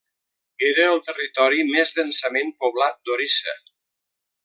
Era el territori més densament poblat d'Orissa.